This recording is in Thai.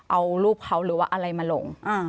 เอารูปเขาหรือว่าอะไรมาลง